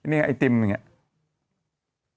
นี่ไอติมอย่างนี้